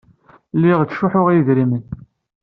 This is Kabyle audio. Lliɣ ttcuḥḥuɣ i yedrimen.